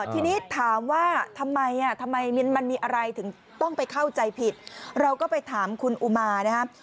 ทีนี้ถามว่าทำไมทำไมมันมีอะไรถึงต้องไปเข้าใจผิดเราก็ไปถามคุณอุมานะครับ